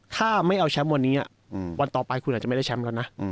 ถ้าไม่เอาแชมป์วันนี้วันต่อไปคุณอาจจะไม่ได้แชมป์แล้วนะ